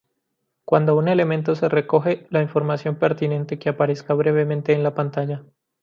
Cuando un elemento se recoge, la información pertinente que aparezca brevemente en la pantalla.